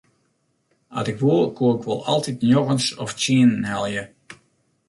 At ik woe koe ik wol altyd njoggens of tsienen helje.